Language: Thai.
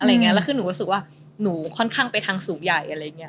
อะไรอย่างนี้แล้วคือหนูก็รู้สึกว่าหนูค่อนข้างไปทางสูงใหญ่อะไรอย่างนี้